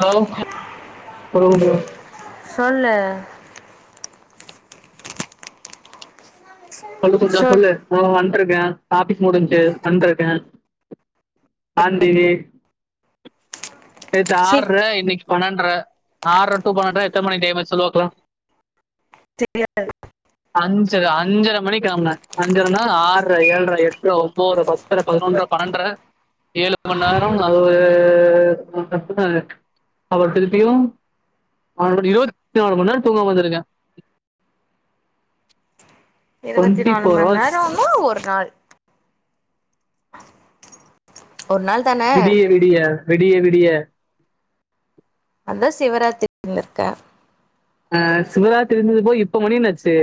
Hello. [unintelligible] சொல்லு சொல்லு சஞ்சனா சொல் சொல்லு. [unintelligible] இருக்க ஹாப்பிஸ் முடிஞ்ச்சு வன்ட்டிருக்க. ஆன்ந்தவே. நேத்து சீக் ஆற்ற இன்னிக்கு பண். பண்ணென்ற ஆறடூ பண்ணென்ற எத்தன மணி டைம் ஆச்சு சொல்லுபாக்கலா. தெரியாது அஞ்சர அஞ்சர. மணிக்கெலம்புன. அஞ்சரனா ஆற, ஏழ்ற, எட்ற, ஒம்பொதுற, பத்ற, பதனொன்ற, பண்ணன்ற ஏழு மணி நேரோ அது ஒரு. [unintelligible] அவர் திருப்பியு மறுபடியு இருபத்தி நாலு மணிநேரோ தூங்க வந்திருக்க. இருபத்தி நாலு மணி நேரோனா ஒரு நாள். [inaudible] ஒரு நாள்தான. விடிய விடிய விடிய விடிய. அதா சிவராத்திரிலருக்க. அஹ சிவராத்திரி [unintelligible] போய் இப்ப மணி என்ன ஆச்சு.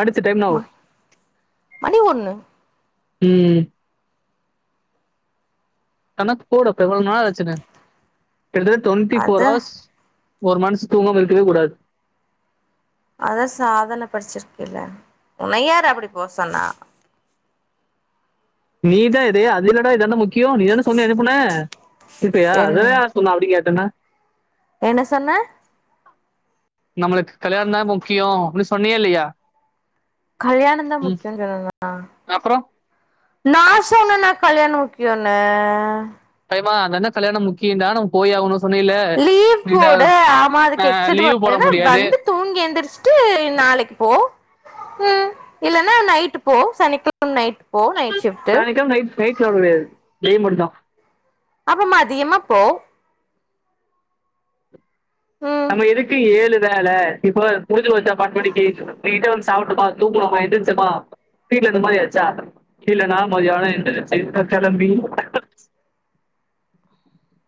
அடுத்த டைம் நவ். ம மணி ஒண்ணு உம். கணக்குப்போடு அப். இப்ப எவ்வளவு நாளு ஆச்சுன்ன. [unintelligible] டுவெண்ட்டி அத போர் ஹவர்ஸ். ஒரு மனுஷ தூங்காம இருக்கவே கூடாது. அத சாதன படிச்சிருக்கல்ல உன யாரு அப்படி போ சொன்னா நீதான் இதே அதுலடா இதானே முக்கியம் நீ தானே சொல்லி அனுப்புன கேபையா என்ன அதுவே யார் சொன்ன அப்படி கேட்டன்னா என்ன சொன்ன நம்மளுக்கு கல்யாணம் தான் முக்கியம் அப்படின்னு சொன்னீயா இல்லையா கல்யாணம் தான் ம் முக்கியம் னு சொன்ன ன அப்புறம் நா சொன்ன ன கலயாணம் முக்கியம்னு ஆமா அதா கல்யாணம் முக்கிய நம்ம போய் ஆவனும் லீவ் போட ஆமா அதுக்கு எஸ் லீவ் போட பன்னா முடியாது வந்து தூங்கி எந்திரச்சுட்டு நாளைக்கு போ உம் இல்லனா நைட்டு் போ சனிக்கிழம நைட்டு நாளைக்கு நைட் போயிட்டு நீ மட்டும் அப்ப மதியமா போ ம் நம்ம எதுக்கு ஏழு வேல இப்ப புரிஞ்சு வச்சா பா படிக்கு வந்து சாப்பிட்டுப்ப தூங்கினோமா எந்திரிச்சோமா கீழ இந்த மாதிரியாச்சா இல்லனா மதியான கிளம்பி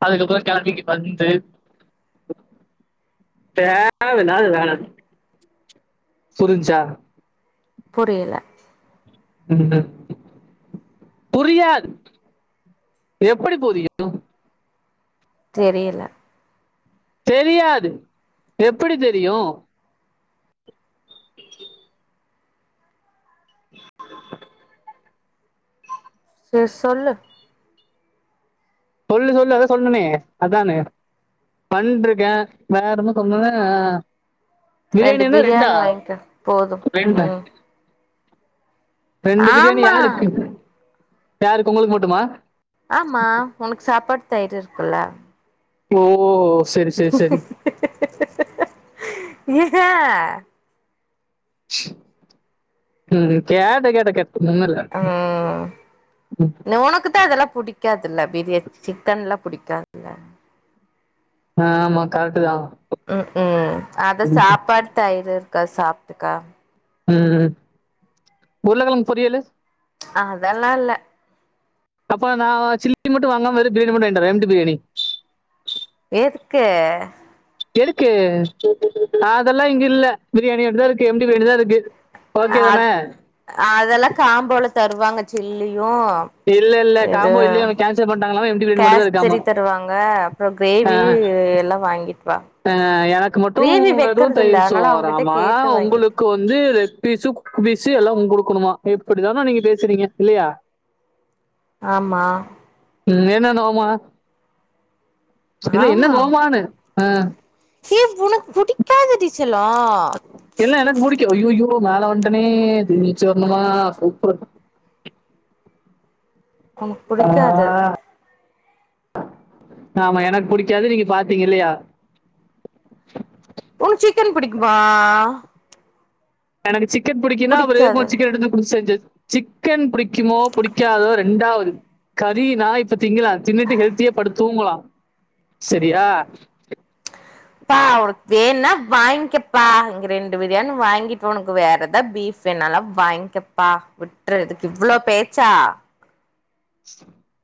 அதுக்கப்புறம் கெளம்பி இங்க வந்து தேவ இல்லாத வேல புரிஞ்சுசா புரியல புரியாது எப்டி புரியும் தெரில தெரியாது எப்படி தெரியும் ஹ...... செரி சொல்லு சொல்லு சொல்லு அதா சொன்னேனே அதான பண்டீருக்கேன் வேற ஏதும் சொன்ன ரெண்டு பிரியாணி வாங்கிட்டு வா போதும் ரெண்டு உம் ரெண்டு பிரியாணி யாருக்கு யாருக்கு உங்களுக்கு மட்டுமா ஆமா உனக்கு சாப்பாடு தயிர்இரு ல ஓ ஓ இக்க... இக்.. இஹ உம் கேட கேட ம் உம் உனக்கு தான் இதெல்லாம் புடிக்கும் பிடிக்காதுல்ல பிரியாணி சிக்கன் லா பிடிக்காதுல்ல ஆஹ்ஆமா கரெக்ட் தான் உம் உம் அத ம் சாப்பாடு தயிரு க்க சாப்ட்டுக்க உம் உருளகிழங்கு பொரியல் அதெல்லா இல்ல அப்புறம் நான் சில்லி மட்டும் வாங்காம வெறும் பிரியாணி மட்டும் வாங்கிடுவறேன் எம்டி பிரியாணி ஏதுக்கு எதுக்கு அதெல்லாம் இங்க இல்ல பிரியாணி வொண்டிதான் இருக்கு எம்டி பிரியாணி தான் இருக்கு அ அதெல்லாம் காம்போல தருவாங்க சில்லி இதும் இல்ல இல்ல இது காம்போ இல்லையே அவங்க கேன்சல் பண்ணிட்டாங்களாம் எம்டி பிரியாணி மட்டும் தான் இருக்காமா கேசரி தருவாங்க அப்புறம் கிரேவி எல்லாம் வாங்கிட்டு வா ஹ யர மட்டும் கிரேவி வெறும் வெக்கறது இல்ல தயிர் அதனால அவங்கிட்ட சோராம கேட்டு வாங்கிட்டு உங்களுக்கு வந்து லெக் பீஸு பீசு எல்லாம் உங் குடுக்கணுமா எப்படி தானோ நீங்க பேசுறீங்க இல்லயா ஆமா உம் என்ன நோமா இல்ல என்ன ஆமா நோமானு ஏ உனக்கு புடிக்காது டி எல்லாம் என்னக்கு புடிக்கும் ஐயோய்யோ மேல வன்ட்டனே திருமி சொந்தமா உப்பு நமக்கு புடிக்காது ஆமா எனக்கு புடிக்காது நீங்க பாத்தீங்க இல்லயா உனுக்கு சிக்கன் புடிக்குமா எனக்கு சிக் சிக்கன் புடிக்குன்னா அவ ஒரு புடிக்காது சிக்கன் எடு குடுத்து செஞ்சு சிக்கன் புடிக் புடிக்குமோ புடிக்காதோ ரெண்டாவது கரி நான் இப்பத் திங்கங்களாம் தின்னுட்டு ஹெல்த்தியா படுத்து தூங்களாம் சரியா பா உனக்கு வேன்னா வாங்கிக்கப்பா இங்க ரெண்டு பிரியாணி வாங்கிட்டு உனக்கு வேற எதா பீஃப் வேணாலாம் வாங்கிக்கப்பா விட்டுறதுக்கு இவ்வள பேச்சா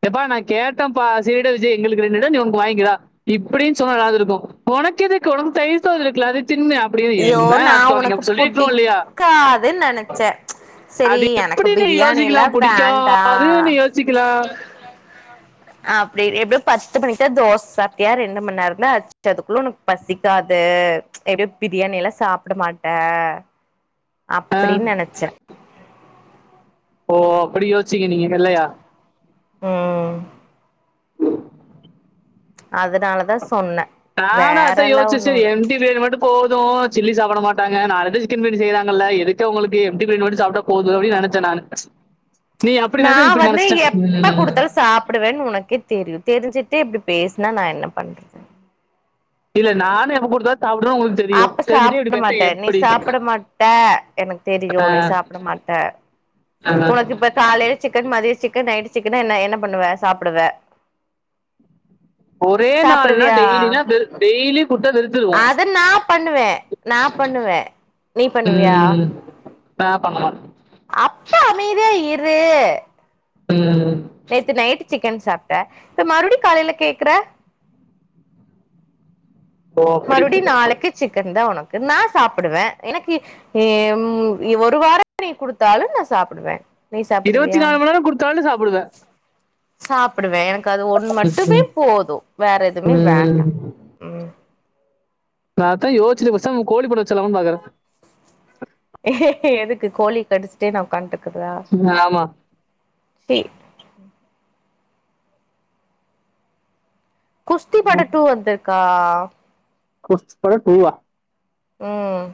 எப்பா நான் கேட்டன்ப்பா சரிட விஜய் எங்களுக்கு ரெண்டுடா நீ உனக்கு வாங்கிடா இப்படின்னு சொன்ன தாவது இருக்கும் உனக்கு எதுக்கு உனக்கு தயிர் சோறு இருக்குல அது ஐயோ நான் உனக்கு சொல்லியிருக்கணும் இல்லையா? புடிக்காதுன்னு நினைச்சேன் சரி அது எனக்கு எப்படி நீ பிரியாணில வேண்டா கிலா அப்படி எப்படியோ பத்து மணிக்கு தா தோசை அப்படியா ரெண்டு மணி நேரம அச்சதுக்குள்ள உனக்கு பசிக்காது எப்படிய பிரியாணி எல்லாம் சாப்பட மாட்ட ஆ அப்படின்னு நெனைச்சேன் ஓ அப்படி யோ சீங்க நீங்க வெள்ளையா உம் அதனாலதான் சொன்ன வேற எல்லாம் ஒண்ணுல போதும் சில்லி சாப்பிட மாட்டாங்க நான் ஆல்ரெடி சிக்கன் பிரியாணி செய்யறாங்கல்ல எதுக்கு அவங்களுக்கு எம்டி பிரியாணி சாப்டா போது அப்டின்னு நெனைச்சேன் நானு நீ அப்படி நினைச்சா நான் இப்படி வந்து நினைச்சிட்டேன் எப்ப ம். கொடுத்தாலும் சாப்பிடுவேன்னு உனக்கே தெரியும் தெரிஞ்சுட்டு இப்படி பேச என்ன நான் என்ன பண்றது இல்ல நானே எங்க கொடுத்தா சாப்பிடுறோம் உங்களுக்கு தெரியும் அப்ப தெரிஞ்சுட்டு சாப்பிட இப்படி மாட்ட பேச நீ எப்படி சாப்பிட மாட்ட எனக்கு தெரியும் நீ சாப்பிட மாட்ட ஆ. உனக்கு இப்ப காலைல சிக்கன் மதிய சிக்கன் நைட் சிக்கன என்ன என்ன பண்ணுவ சாப்படுவ ஒரே நாள்னா டெய்லினா டெய்லி கொடுத்தா வெறுத்துருவோம் அத நான் பண்ணுவேன் நான் பண்ணுவேன் நீ பண்ணுவியா ம். நான் பண்ண மாட்டேன் அப்ப அமைதியா இரு ரு உம் நேத்து நைட் சிக்கன் சாப்ட்ட இப்ப மறுபடி காலைல கேக்குற ஓ மறுபடியும் அப்படி நாளைக்கு சிக்கன் தான் உனக்கு நான் சாப்டுவே எனக்கு ஹம் ஒரு வார நீ கொடுத்தாலும் நான் சாப்டுவேன் இருவத்தி நாலு மணி நேரம் கொடுத்தாலும் நீ சாப்டுவ சாப்டுவேன் க்கு அது ஒண்ணு மட்டுமே போதும் வேற எதுவுமே வேண்டாம் உம் நான்தான் யோசிச்சிட்டு பேசாம கோழிப்பண்ண வச்சிலாம்னு பாக்குறேன் எதுக்கு கோழி கடிச்சுட்டே நான் உக்காந்ட்டு இருக்றதா ஆமா சி குஸ்தி படம் டூ வந்துருக்கா ஆ குஸ்தி படம் டூ வா உம்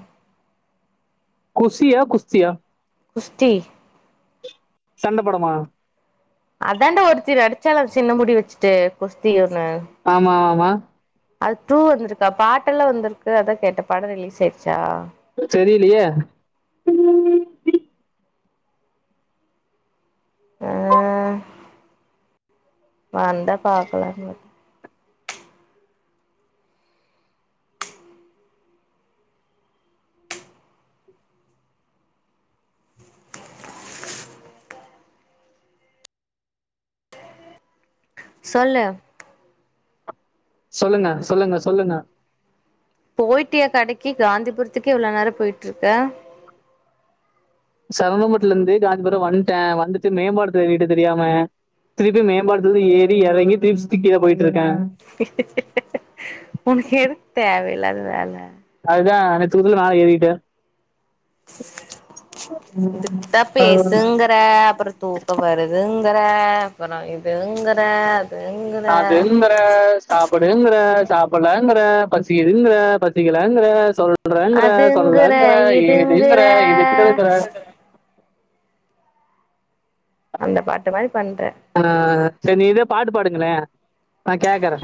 குசியா குஸ்தியா குஸ்தி சண்ட படமா அதாண்ட ஒருத்தி நடிச்சாள சின்ன முடி வச்சுட்டு குஸ்தி ஒன்னு ஆமா ஆமா அது டூ வந்திருக்கா பாட்ட எல்லாம் வந்திருக்கு அதான் கேட்ட படம் ரிலீஸ் ஆயிடுச்சா தெரிலையே ஆ வந்தா பாக்கலா சொல்லு சொல்லுங்க சொல்லுங்க சொல்லுங்க போய்ட்டியா கடைக்கி காந்திபுரத்துக்கே இவ்வளவு நேரம் போயிட்ருக்க சரவங்கலெந்து காஞ்சிபுரம் வந்துட்டேன் வந்துட்டு மேம்பாலத்து ஏறிடு தெரியாம திருப்பி மேம்பாலத்துலந்து ஏறி யறங்கி திருப்பி திக்கீழ போயிட்ருக்கெ உனக்கெதுக் தேவ லல்லால அதுதான் அனைத்துலத்துல மேல ஏறிட்டே இதுட்டா ஏறிட்டேன் பேசுங்கற அப்புறம் தூக்கம் வருதுங்குற அப்புற இதுங்குற சாதுங்குற சாப்பிடுங்குற சாப்பிடலாங்கிற பசிதுங்கிற பசிக்கலாங்கிற சொல்ற சொல்றேங்கற அதுங்கற சொல்லறங்கற இதுங்கற யேதுங்கற யெதுக்குங்கர இருங்கற அந்த பாட்டு மாதிரி பண்றே சரி நீ இதே பாட்டு பாடுங்ளே நா கேட்கறே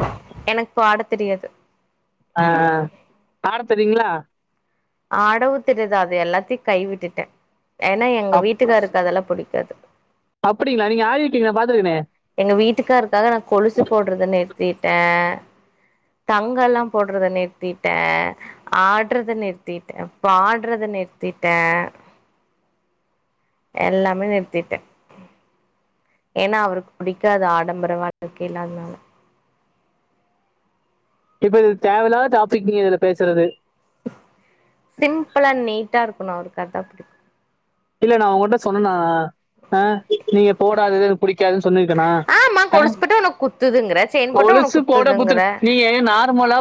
எனக்கு பாட தெரியாது ஆஹ்ஹ் பாட தெரியீங்ளா ஆடவு தெரிதா அது எல்லாத்தையும் கைவிட்டுட்டே அப் அப்படிங்களா நீங்க ஆடிக்கீங்க நா பாத்துருக்கேனே எங்க வீட்டுக்காருக்காக நா கொலுசு போட்றத நிறுத்திட்டே தங்க எல்லா போட்றத நிறுத்திட்டே ஆடுறத நிறுத்திட்டே பாடுறத நிறுத்திட்டேன் எல்லாமே நிறுத்திட்டே ஏன்னா அவருக்கு புடிக்காது ஆடம்பரவாழ்க்கைலா அதனால இப்ப இது தேவலாத டாபிக் நீங்க இதுல பேசுறது சிம்பிள் அண் நீட்டா இருக்கணு அவருக் தாத்தா புடிக்கும் இல்ல நான் உங்ககிட்டசொன்னேனா நா ஆஹ நீங்க போடாதது புடிக்காது சொனல்லீர்க்கேனா ஆமா அ கொலுசு போட்டா உனக்கு குத்துதுங்கிற செயின் போட்டா உனக்கு கொலுசு போடத்துரு குத்துதுங்கிற நீ நார்மலா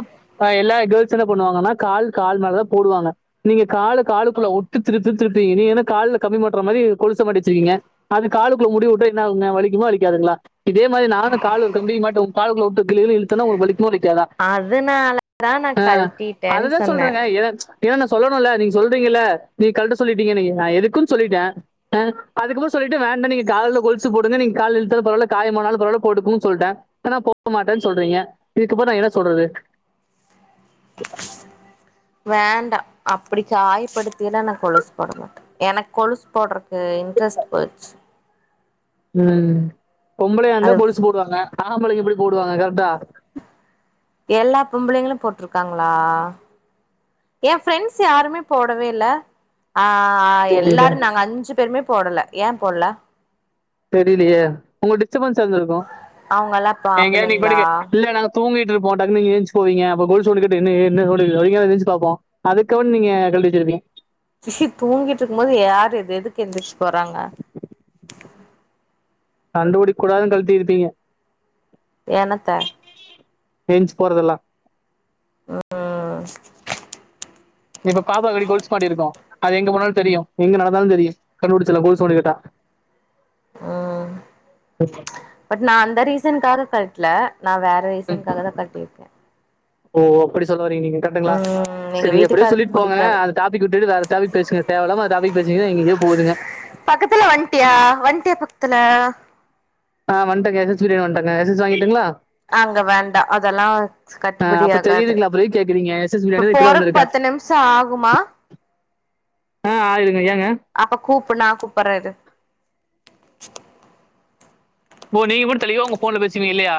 எல்லா கேல் என்ன பண்ணுவாங்கன்னா கால் த்ன பன்னுவாங்கனா கால் மேல தான் போடுவாங்க நீங்க கால காலுக்குள்ள ஒட்டுதிருதிரு னக்கு கால்ல கம்பிபொட்ரமாரி கொலுசு மாட்டி வச்சுர்க்கீங்க அந்த காலுக்குல்ல முடிய உட்டா எண்னாகுங்க அதனால தான் நா கல்ட்டிட்டேன் சொன்னே ஏன்னான்னா சொல்லணு ல்ல நீங்க சொல்றீங்கள நீங்க கல்ட்ட சொல்லிட்டீங்க நீங்க நான் எதுக்குன்னு சொல்லிட்டே அஹ் அதுக்கப்புரொ சொல்லிட்டன் வேண்டா நீங்க கால்ல கொளுசு போடுங்க நீங்க கால இழுத்தா பரவால்ல காயமானாலும் பரவால்ல போடுக்குன்னு சொல்லிட்டே ஆனான் போட்டுக்க மாட்டேன்னு சொல்றீங்க இதுக்கப்புறொ நா எத சொல்றது வேண்டாம் அப்படி கா காயப்படுத்திலா நாகொலுசு போட மாட்டே எனக்கு கொலுசு போடுறக்கு இன்ட்ரெஸ்ட் போய்டுச்சு உஹம் பொம்பளையா இருந்தா அது கொலுசு போடுவாங்க ஆம்பளக்கு எப்படி போடுவாங்க கரெக்டா எல்லா பொம்பளைங்களும் போட்டிருக்காங்களா என் ப்ரெண்ட்ஸ் யாருமே போடவே இல்ல ஆஹ் தெரியல. எல்லாரும் நாங்க அஞ்சு பேருமே போடல ஏன் போல்ல தெரியிலியே உங்கடே ச்ச சேர்ந்திருக்கோம் அவங்கல்லா இப்ப எங்க நீ ஆம்பளைங்களா படிக்க இல்லங்க நாங் தூங்கிட்டுருப்போ டக்குனு நீங்க எந்தரிச்சு போங்கப்போ கோல் சொல்லிட்டு என்ன என்ன சொங்க எரிச்சுபப்போம் அதுக்குன்ன நீங்க கட்டி வச்சிருப்பீங்க சி தூங்கிட்டு இருக்கும் போது யாரு இது எதுக்கு எந்திரிச்சு போறாங்க கண்டுபிடிக்க கூடாதுன்ன கழுட்டிருப்பீங்க என்னத்த ஏஞ்சுபோறதல்லா உஹ் இப்ப பாப்பாக்கு கொலுசு மாட்டி இருக்கோம் அது எங்க போனாலும் தெரியும் எங்க நடந்தாலும் தெரியும் கண்டுபுடிச்சல்லாம் கொலுசு சவுண்டு கேட்டா உம் பட் நான் அந்த ரீசன்காக கழட்டல நான் வேற ம். ரீசனுக்காக தான் கழட்டியிருக்கே ஓ அப்புடி சொல்லவரிங்க நீங்க கரெக்ட்டுங்ளா எங்க சேரி எப்டியோ வீட்டுக்காருக்கு சொல்லிட் போங்க புடிக்காது அந்த டாப்பிக் விட்டுட்டு வேற டாப்பிக் பேசுங்க தேவல்லாம அந்த டாப்பிக் பேசுனிங்னா எங்க எங்கயோ போகுதுங்க த்ல ஆஹ வண்டங்க எஸ் எஸ் வீ வண்டங்க எஸ் எஸ் வாங்கிட்டுங்ளா அங்க வேண்டாம் அதெல்லாம் ஆ, கட்டுபடி அப்ப ஆகாது தெரியுதுங்களா அப்புறம் எதுக்கு கேக்குறீங்க எஸ்எஸ் பிரியாணி இப்ப தான் இப்பதான் போறக்கு வந்திருக்கேன் பத்து நிமிஷம் ஆகுமா ஆ ஆயிருங்க ஏங்க அப்ப கூப்பனாகூப்புறே இரு [inaudible] ஓ நீங்க மட்டும் தெளிவா உங்க போன்ல பேசுவீங்க இல்லையா